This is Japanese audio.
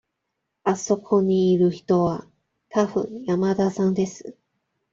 あそこにいる人はたぶん山田さんです。